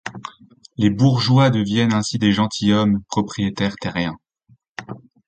Les bourgeois deviennent ainsi des gentilshommes, propriétaires terriens.